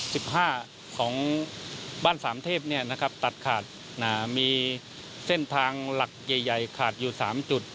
สิบห้าของบ้านสามเทพเนี่ยนะครับตัดขาดอ่ามีเส้นทางหลักใหญ่ใหญ่ขาดอยู่สามจุด